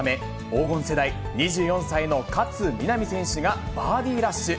黄金世代、２４歳の勝みなみ選手がバーディーラッシュ。